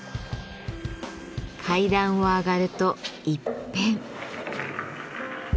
階段を上がると一変。